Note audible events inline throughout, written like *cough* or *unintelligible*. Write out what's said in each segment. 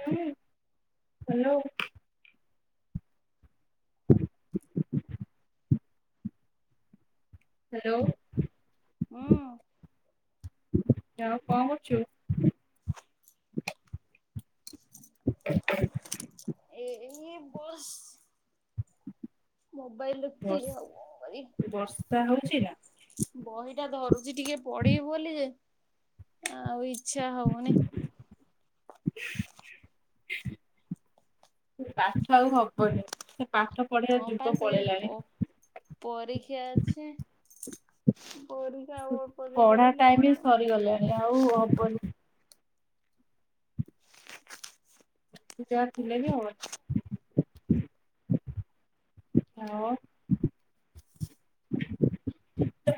ହ hello. Hello? ହୁଁ। ଆଁ କଣ କରୁଛୁ? *inaudible* ଏ -ଏଇ ବସ ମୋବାଇଲ୍ ଦେଖୁଥିଲି ଆଉ ବର୍ଷ କଣ କରିବି। *unintelligible* ହଉଛି ନା ବହିଟା ଧରୁଛି ଟିକେ ପଢିବୁ ବୋଲି ଯେ ଆଉ ଏଇ ଇଛା ହଉନି। ପାଠ ଆଉ ହବନି। ପାଠ ପଢିବା ହଁ ପା ଯୁଗ ସେ ପ ପରୀକ୍ଷା ପଳେଇଲାଣି। ଅଛି ପରୀକ୍ଷା ଆଉ ଅଳ୍ପ ଦିନ ପଢା ଟାଇମ ରହିଲା ସରିଗଲାଣି ଆଉ ହବନି। ତୁତ ଥିଲେ ବି ହବନ। ହଁ।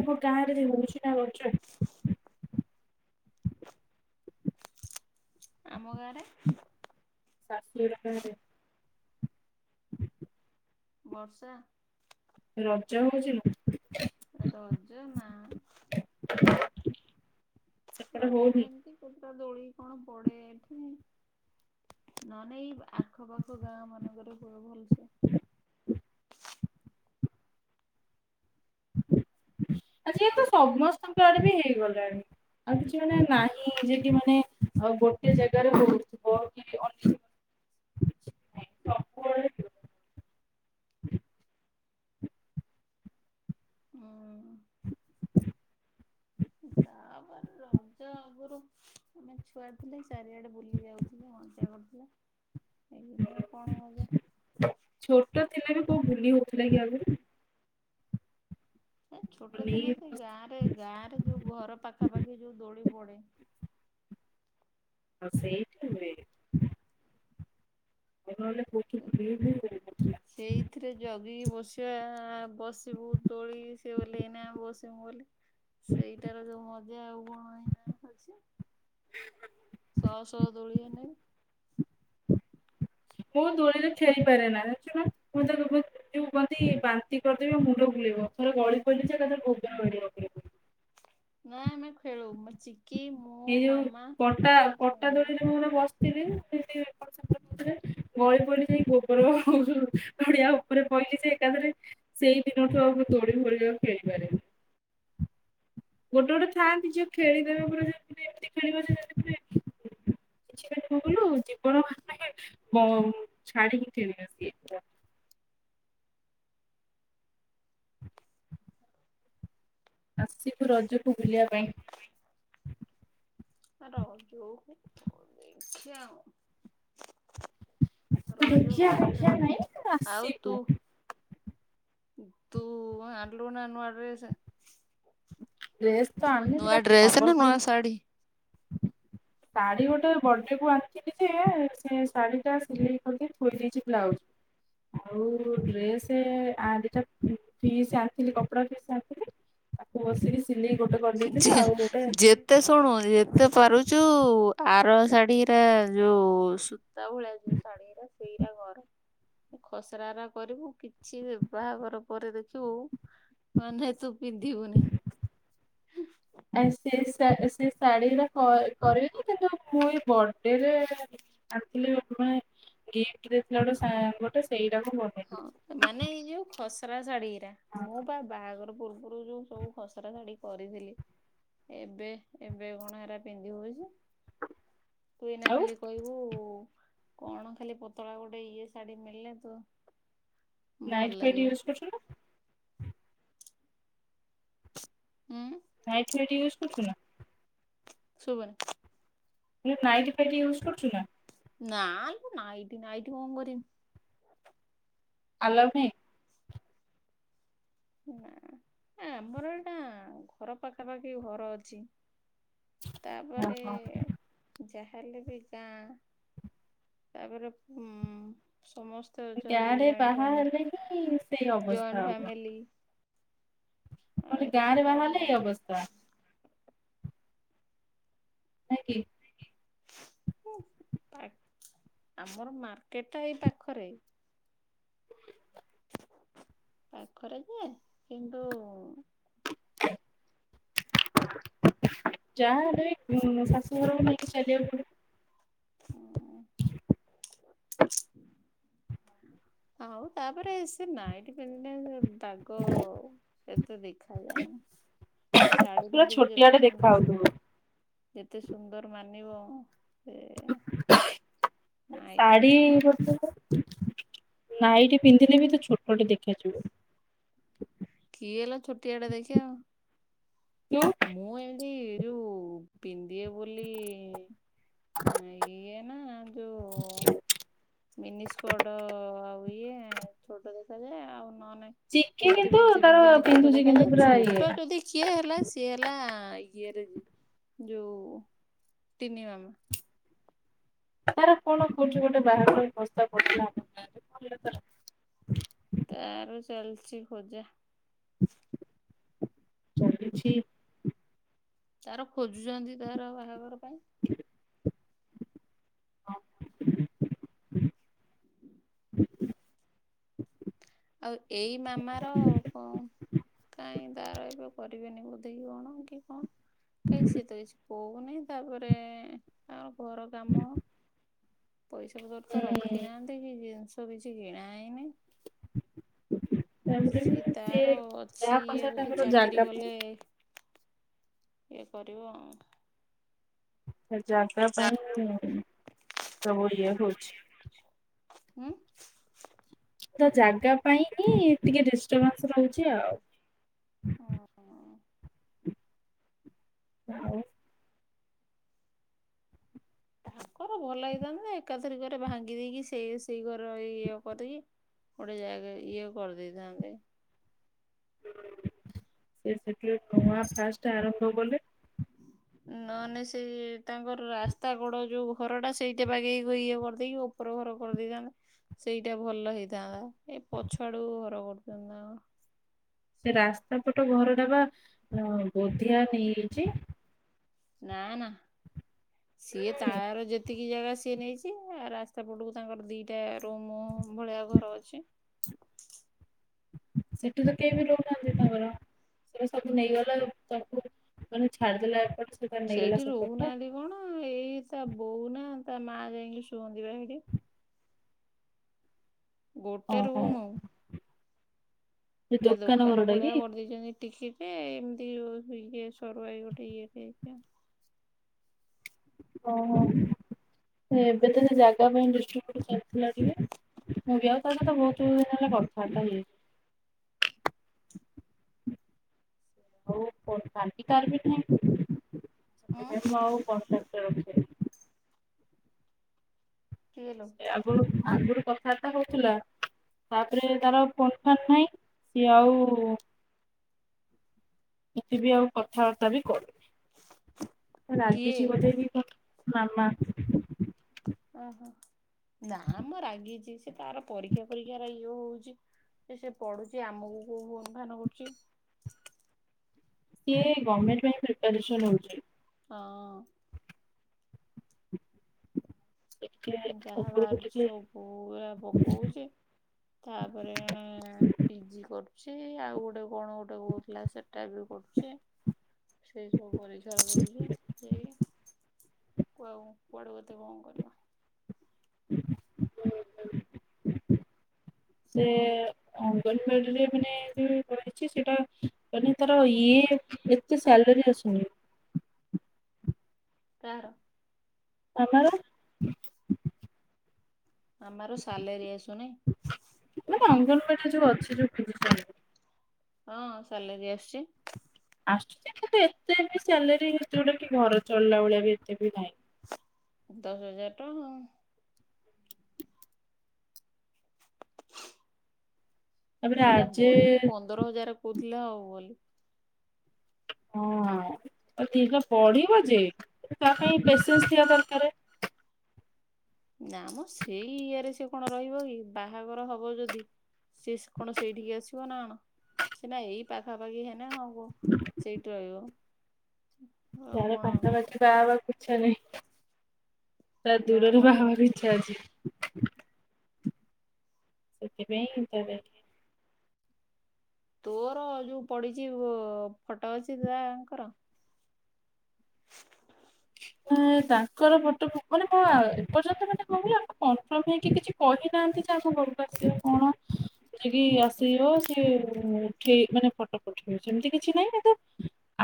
ତମ ଗାଁ ଯେ *unintelligible* ଆମ ଗାଁରେ *unintelligible* *inaudible* ବର୍ଷା ରଜ ହଉଛି ନା? ରଜ ନାଁ ସେପଟେ ରଜ ହଉନି ଏମିତି କେତଟା ଦୋଳି କଣ ପଡେ ଏଠି ନ ନାଇ ଏଇ ଆଖପାଖ ଗାଁ ମାନଙ୍କରେ ହୁଏ, ଭଲସେ ହ *inaudible* ଆଜି ତ ସମସ୍ତଙ୍କ ଆଡେ ବି ହେଇଗଲାଣି। ଆଉ କିଛି ମାନେ ନାହିଁ ଯେ କି ମାନେ ଗୋଟେ ଜାଗାରେ ହଉଥିବ କି ତ *unintelligible* ହଁ ତାପରେ ରଜ ଆଗରୁ, ଆମେ ଛୁଆ ଥିଲେ, ଚାରିଆଡେ ବୁଲି ଯାଉଛ ମଜା କରିଥିଲା ହେଇକ ନାଇ କଣ ମଜା ଛୋଟ ଥିଲା ବି କୋଉ ଭୁଲି ହଉଥିଲା କି ଆଗରୁ ଏ ଛୋଟ ଦିନେ ଅନେଇ ସେ ବସ ଗାଁ ରେ ଗାଁ ରେ ଯୋଉ ଘର ପାଖାପାଖି ଯୋଉ ଦୋଳି ପଡେ ହଁ ସେଇଠି ହୁଏ *unintelligible* ଭୁଲି ବି ହଉନଥିଲା। ସେଇଥିରେ ଜଗିି ବସିବା ଆ ବସିବୁ ଦୋଳି ସେ, ହୋଲେଇନେ ଆମେ ବସିବୁ ବୋଲି ସେଇଟାର ଯୋଉ ମଜା ଆଉ କଣ ଏଇନା *unintelligible* ଖାଉଛି ଶହ ସହ ଦୋଳିଆ *unintelligible* ହନେବି ମୁ ଦୋଳିରେ ଖେଳି ପାରେ ନା, ଜାଣୁଛୁ ନା, ମୁଁ ତା ଯୋଉ କୁହନ୍ତି, ବାନ୍ତି କରିଦେବି ଆଉ ମୁଣ୍ଡ ବୁଲେଇ ରଥରେ ଗଳି ପଇଲି ଯେ - ନାଇଁ ଆମେ ଖେଳୁ, ମଛି *unintelligible* ଏଇ ଯୋଉ ପଟା, ପଟା ସାଙ୍ଗ ହେଇକି ଦୋଳିରେ ମୁଁ ମାନେ ବସିଥିଲି ଗଳି ପଇଲି ଯାଇ ଗୋବର ଗଡିଆ ଉପରେ ପଇଲି ଯେ ଏକାଥରେ ସେଇ ଦିନଠୁ ଆଉ ମୁ ଦୋଳି ଫୋଳି ଆଉ ଖେଳି ପାରେନି। ଗୋଟେ ଗୋଟେ ଥାଆନ୍ତି ଝିଅ, ଖେଳିଦବା ପୁର ଏମିତି ଖେଳିବ ପ କିଛି ବିଠଲ *unintelligible* ଜୀବନ ଛାଡ଼ିିକି ଖେଳିବେ ସିଏ ପୁରା। ଆସିବୁ ରଜକୁ ବୁଲିବା ପାଇଁ। ହ ରଜ କୁ ଦେଖିଆ ଆଉ ରଜ ରଖିବା ହଉ କଥା *unintelligible* ତାପରେ ପାଇଁ ତ ଆଉ ତୁ ଆସିବୁ। ତୁ ଆଣିଲୁ ନା ନୁଆ ଡ୍ରେସ ରେସ୍ ତ ଆଣିନି, ନୂଆ ଦିଟା ଡ୍ରେସ ନା ସମ୍ବଲପୁରି ନୂଆ ଶାଢୀ ଶାଢୀ ଗୋଟେ ବର୍ଥଡେ କୁ ଆଣିଥିଲି ଯେ, ସେ ଶାଢୀ ଟା ସିଲେଇ କରି ଥୋଇ ଦେଇଛି, ବ୍ଲାଉଜ ଆଉ ଡ୍ରେସ ଦିଟା ଫିସ୍ ଆଣିଥିଲି, କପଡା ଫିସ୍ ଆଣିଥିଲି। ତାକୁ ବସିକି। ସିଲେଇ ଗୋଟେ କରିଦେଇଥିଲି ଯେ ଆଉ ଗୋଟେ ଯେତେ ଶୁଣୁ ତ ପାରୁଛୁ ଆର ଶାଢୀରେ ଯୋଉ ସୂତା ଭଳିଆ ଯୋଉ ଶାଢୀ, ସେଇ ଖସରା କରିବୁ, କିଛି ବାହାଘର ପରେ ଦେଖିବୁ ମାନେ ତୁ ପିନ୍ଧି ବୁ ନାଇ ଆ ସେ ସେ ଶାଢୀଟା କରିବେ ନା କିନ୍ତୁ ମୁଁ ଏ ବଡେରେ ଆଣିଥିଲେ ଗିଫ୍ଟ ଦେଇଥିଲା ଗୋଟେ ସାଙ୍ଗ ଟେ, ସେଇ ହଁ ମାନେ, ଏଇ ଯୋଉ ଖସରା ଶାଢୀ ମୁଁ ବା ବାହାଘର ପୂର୍ବ ରୁ ଯୋଉ ସବୁ ଖସରା ଶାଢୀ କରିଥିଲି। ଏବେ ଏବେ କଣ ହେରା ପିନ୍ଧି ହଉଛି? ହ *inaudible* ତୁନା ଖାଲି କହିବୁ, କଣ ଖାଲି ପତଳା ଗୋଟେ ଇଏ ଶାଢୀ ମିଳିଲେ ତୁ ଭଲ ନାଇଟ୍ ଲାଗିବ ୟୁଜ୍ କରୁଛ ନା? ଉଁ ନାଇଟ ୟୁଜ କରୁଛୁ ନା? ଶୁଭୁନି ନାଇଟି ଫାଇଟ ୟୁଜ କରୁଛୁ ନା? ନାଆଲୋ ନାଇଟି, ନାଇଟି କଣ କରିବି? ଆଲାଉ ନାହିଁ? ନା ନା ଆମର ଏଇଟା ଘର ପାଖାପାଖି ଘର ଅଛି। ତାପରେ ଯା ଯାହାହେଲେ ବି ଗାଁ ତାପରେ ଉଁ ସମସ୍ତେ ଅଛନ୍ତି ଗାଁରେ ଜଏଣ୍ଟ ବାହା ଫ୍ୟାମିଲି ହେଲେ ବି ସେଇ ଜଏଣ୍ଟ ଅବସ୍ଥା ହବ। ଫ୍ୟାମିଲି ମୁଁ ଆଉ କହିଲି ଏରା ଗାଁରେ ସବୁ ବାହା ଆଲାଉ ହେଲେ ଏଇ ନାହିଁ ଅବସ୍ଥା। ନାଇଁ କି। ଉଁ ପାଗ ଆମର ମାର୍କେଟ ଟା ଏଇ ପାଖରେ ପାଖରେ ଯେ କିନ୍ତୁ *inaudible* ଯାହାହେଲେ ବି ମୋ ଶାଶୂଘରକୁ ନେଇକି ଚାଲିବାକୁ ପଡିବ। ହୁଁ। ହଁ। ଆଉ ତାପରେ ସେ ନାଇଟି ପିନ୍ଧିଲେ ସେ ବାଗ ଅ ଏତେ ଦେଖାଯାଏନି। ତୁ ଶାଢୀ ପୁରା ପିନ୍ଧିବୁ ଯେତେ ଛୋଟିଆଟେ ଦେଖା ସୁନ୍ଦର ହଉଥିବୁ ଯେତେ ସୁନ୍ଦର ମାନିବ ସେ ନାଇଟିରେ ଶାଢ଼ୀ ନାଇଁ ଗୋଟେ ନାଇଟି ପିନ୍ଧିଲେ ବି ତ ଛୋଟଟେ ଦେଖାଯିବ। କିଏ ହେଲା ଛୋଟିଆଟା ଦେଖିଆ ଆଉ। ଯୋଉ ମୁଁ ଏମିତି ଯୋଉ ପିନ୍ଧଦିଏ ବୋଲି ଇଏନା ଯୋଉ ମିନି ସ୍କର୍ଟ ଆଉ ଇଏ ଛୋଟ ଦେଖାଯାଏ ଆଉ ନ ନାଇଁ ଚିକି କୁର୍ତ୍ତି କିନ୍ତୁ ଫୁର୍ତ୍ତି ତାର ପିନ୍ଧିଲେ ଛୋଟ ପିନ୍ଧୁଛି କିନ୍ତୁ ଦେଖାଯାଏ। ପୁରା ଇଏ ଛୋଟ ଯଦି କିଏ ହେଲା ସେ ହେଲା ଇଏରେ ଯୋଉ ତିନି ମାମା ତାର କଣ କୋଉଠି ଗୋଟେ ବାହାଘର ପାଇଁ ପ୍ରସ୍ତାବ ପଡିଥିଲା *unintelligible* ତାର ଚାଲିଚି ଖୋଜା। ଚାଲିଛି ତାର ଖୋଜୁଚନ୍ତି ତାର ବାହାଘର। ପାଇଁ ହଁ। *inaudible* ଆଉ ଏଇ ମାମାର କ କାଇଁକି ତାର ଏବେ କରିବେନି ବୋଧେ କି କଣ କି କଣ? କାଇଁ ସେ ତ କିଛି କହୁନେଇଁ, ତାପରେ ତାଙ୍କର ଘର କାମ ପଇସା ପତ୍ର ତ ହୁଁ ରଖି ନାହାଁନ୍ତି କି ଜିନିଷ କିଛି କିଣା ହେଇନେଇ ତାପରେ ସିଏ ସେ ତାର ଅଛି ଯାହା ଇଏ ପଇସା ବୋଧେ ତାଙ୍କର ଚାକିରୀ ଜାଗା କଲେ ଇଏ କରିବ ଆଉ। ସେ ଜାଗା ପାଇଁ ସବଳିଆ ହଉଛି। ଉଁ? ସେ ତା ଜାଗା ପାଇଁ ହିଁ ଟିକେ ଡିଷ୍ଟର୍ବାନ୍ସ ରହୁଛି ଆଉ। ହଉ ତାଙ୍କର ଭଲ ହେଇଥାନ୍ତା ଯେ, ଏକାଥର କରେ ଭାଙ୍ଗି ଦେଇକି ସେଇ ସେଇ ଘର ଇଏ କରିକି କୁଆଡେ ଯାଇକି ଇଏ କରି ଦେଇଥାନ୍ତେ। ସେ ସେଠିରୁ ନୂଆ ଫାଷ୍ଟ ଆରମ୍ଭ କଲେ ନହେଲେ ସେଇ ତାଙ୍କର ରାସ୍ତାକଡ ଯୋଉ ଘରଟା ସେଇଟା ବାଗେଇ ବୁଗେଇ ଇଏ କରିଦେଇକି ଓପର ଘର କରି ଦେଇଛନ୍ତି। ସେଇଟା ଭଲ ହେଇଥାନ୍ତା। ଏଇ ପଛଆଡୁକୁ ଘର କରିଛନ୍ତି ନା କଣ? ସେ ରାସ୍ତା ପଟ ଘରଟା ବା ବୋଧିଆ ନେଇଯାଇଛି। ନା ନା। ସିଏ ହୁଁ ତାର ଯେତିକି କି ଜାଗା ସିଏ ନେଇଛି, ଆ ରାସ୍ତା ପଟକୁ ତାଙ୍କର ଦିଟା ରୁମ୍ ଭଳିଆ ଘର ଅଛି ସେଠୁ ତ କେହି ବି ରହୁନାହାଁନ୍ତି ତାଙ୍କର? ସେ ସବୁ ନେଇଗଲେ ତାଙ୍କୁ ମାନେ ଛାଡ଼ିଦେଲା ସେଇଠି ରହୁନାହାନ୍ତି କଣ ଏଇତା ବୋଉ ନା ତା ମା ଯାଇଁକି ଶୁଅନ୍ତି ପା ହେଠି। ଗୋଟେ ଓହୋ। ରୁମୁ। ଏ ହେଟା ଦୋକାନ ଘରଟା କି? ଭଳିଆ କରିଦେଇଚନ୍ତି। ଟିକିଟେ ଏମତି ଟିକେ ସରୁଆକି ଗୋଟେ ଇଏଟେ ହେଇଚି ଆ। ଓହୋ ଏବେ ତ ସେ ଜାଗା ପାଇଁ ଦିଷ୍ ଫୁଟ୍ ଚାଲିଥିଲା ଟିକେ ମୁଁ ବି ଆଉ ତା ସହି ତ ଭୋଉତୁ ଦିନ ହେଲେ କଥାବାର୍ତ୍ତା ହେଇ *unintelligible* ହଉ କୋ ଶାନ୍ତି ତାର କିଛି ଉଁ ଏନେ ମୁଁ ଆଉ ପଚାର ତାକୁ ଟିକେ। କିଏଲୋ ଏ ଆଗୁରୁ ଆଗୁରୁ କଥାଆର୍ତ୍ତା ହଉଥୁଲା। ତାପରେ ତାର ଫୋନ୍ ଫାନ୍ ନାହିଁ କି ଆଉ କିଛି ବି ଆଉ କଥାବାର୍ତ୍ତା ବି କରୁନି। ରାଗିଚି ବୋଧେ କି କଣ ମାମା। ଓହୋ ନାମ ରାଗିଚି ସେ ତାର ପରୀକ୍ଷା ପରୀକ୍ଷା ର ଏଇ ଯୋଉ ଚି ଏ ସେ ପଡ଼ୁଚି ଆମୁକୁ କୋଉ ଫୋନ୍ ଫାନ୍ କରୁଚି? ସିଏ ଏ ଗମେଟ୍ ପାଇଁ ପ୍ରିପରେସନ୍ ହଉଚି। ହଁ। ଟିକେ ଯାହା ଉପରକୁ ବାହାରୁଚି ଟିକେ ସବୁ ପୁରା ପକଉଚି। ତାପରେ ଏଣେ ପିଜି କରୁ ସେଇ ଆଉ ଗୋଟେ କଣ ଗୋଟେ କୋହୁଥୁଲା ସେଟା ବି କରୁଚି। ସେଇ ସବୁ ପରୀକ୍ଷା ଓଉଚି ସେଇ। କୁ ଆଉ କୁଆଡ଼ୁ କେତେ କଁ କରିବ? ଉଁ ହୁଁ ସିଏ ଅଙ୍ଗନବାଡ଼ିରେ ମାନେ ବି କରିଚି ସେଟା ମାନେ ତାର ଇଏ ଏତେ ସାଲ୍ ରୀ ଆସୁନି। କାହାର? ମାମାର। ମାମାର ସାଲେରୀ ଆସୁନେଇ? ଓ ଏଟା ଯୋଉ ଅଛି ଯୋଉ *unintelligible* ଟାରେ। ହଁ ସାଲେରୀ ଆସଚି। ଆସୁଚି ଯେ କିନ୍ତୁ ଏତେ ବି ସ୍ୟାଲେରୀ ହେ ଯୋଉଟା କି ଘର ଚଳିଲା ଭଳିଆ ବି ଏତେ ବି ନାହିଁ। ଦଶ ହଜାର ଟଙ୍କା। ତାପରେ ସେଇଟା ଆର୍ଜେ ବଢ଼ିକି ପନ୍ଦର ହଜାର କୋହୁଥୁଲେ ହବ ବୋଲି। ହଁ। ଆଉ ଦିଟା ବଢ଼ିବ ଯେ ତା ପାଇଁ ପେସେନ୍ସ୍ ଥିବା ଦରକାରେ। ନାଁ ମ ସେଇ ଇଏରେ ସିଏ କଣ ରହିବ କି ବାହାଘର ହବ ଯଦି ସିଏ ସ୍ କଣ ସେଇଠିକି ଆସିବ ନାଁ କଣ ସିନା ଏଇ ପାଖାପାଖି ହେନେ ହଁ ଓ ସେଇଠି ରହିବ। ଆଉ ତାର କଣ ପାଖା ପାଖି ବାହବାକୁ ଇଚ୍ଛା ନାହିଁ। ଳା ଗାଁ ଦୂରରେ ବାହବାର ପାଖାପାଖି ଇଚ୍ଛା ଅଛି। ସେଥିପାଇଁ ତାର ଏତେ ତୋର ଯୋଉ ପଡ଼ିଚି ବ ଫଟୋ ଅଛି ତାଆଙ୍କର? *unintelligible* ଏ ତାଙ୍କର ଫଟ ମନେ ମ ଆ ଏପର୍ଯ୍ୟନ୍ତ ମାନେ କଁ କହିଲୁ ଆମେ କନଫର୍ମ ହେଇକି କିଛି କହିନାହା ନ୍ତି ତାଙ୍କ ଘରୁକୁ ଆସିବେ କଣ। ନେଇକି ଆସିବ ସିଏ ଉଠେଇ ମାନେ ଫଟ ପଠେଇବ ସେମତି କିଛି ନାହିଁ କିନ୍ତୁ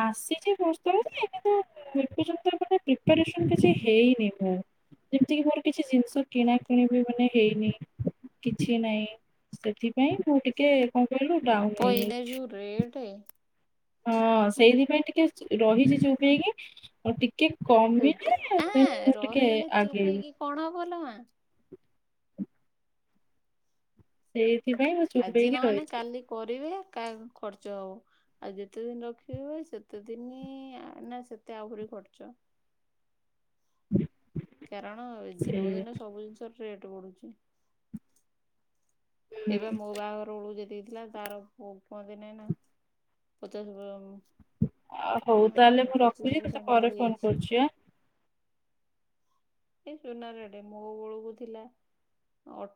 ଆସିଚି ପ୍ରସ୍ତାବ ଯେ କିନ୍ତୁ ଏବେ ଯୋଉ ତ ପଟେ ପ୍ରିପାରସନ୍ କିଛି ହେଇନି ମୁଁ। ଯେମିତିକି ମୋର କିଛି ଜିନିଷ କିଣା କିିଣି ବି ମାନେ ହେଇନି। କିଛି ନାହିଁ ସେଥିପାଇଁ ମୁଁ ଟିକେ କଣ କହିଲୁ ଡାଉନ ବାପ ଏଇନେ ଯୋଉ ହେଇଯାଇଛି। ରେଟ ହଁ ସେଇଥି ପାଇଁ ଟିକେ ରହିଛି ଚୁପିଇକି ଆଉ ତିକ କି କମ ବିିନ ଆ ଦେନ ମୁଁ ଟିକେ ରହିନେ ଆଗେଇ ବି ଚୁପେଇକି କଣ ହବ ଲୋ ମା ସେଇ ଆଜି ନହେଲେ କାଲି କରିବେ କା ଖର୍ଚ୍ଚ ହଉ ଆଉ ଯେତେ ଦିନ ରଖିବ ସେତେ ଦିନ ନା ସେତେ ଆହୁରି ଖର୍ଚ୍ଚ କାରଣ ସେ ଦିନକୁ ଦିନ ସବୁ ଜିନିଷର ରେଟ ବଢୁଛି। ଉଁ ଏବେ ମୋ ବାହାଘର ବେଳୁ ଯଦି ଥିଲା ତାର କୁହନ୍ତି ନାହିଁ ନା ପଚାଶ *unintelligible* ହଉ ତାହେଲେ ମାନେ ମୁଁ ପଚିଶ ରଖୁଛି ତୋତେ ପରସେଣ୍ଟ ପରେ ବଢି ଫୋନ ଯାଇଛି। କରୁଛି ଆ। ଏଇ ସୁନ ଡେ ମୋ ବେଳକୁ ଥିଲା ଅ